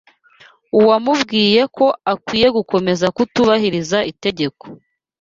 Uwamubwiye ko akwiye gukomeza kutubahiriza itegeko